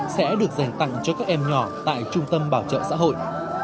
sẽ được dành tặng cho các em nhỏ tại trung tâm bảo trợ xã hội